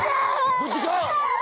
無事か！？